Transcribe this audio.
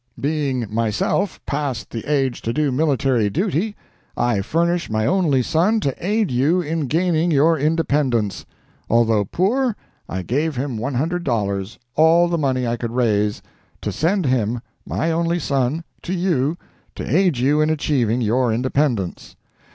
Being myself past the age to do military duty, I furnish my only son to aid you in gaining your independence; although poor, I gave him $100—all the money I could raise—to send him, my only son, to you to aid you in achieving your independence.